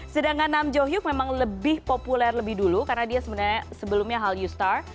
sedangkan nam jo hyuk memang lebih populer lebih dulu karena dia sebenarnya sebelumnya hal yustar